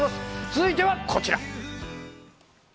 続いてはこちら。